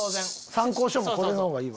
参考書もこれのほうがいいわ。